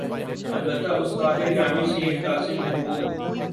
البتہ استاد گرامی سید قاسم محمود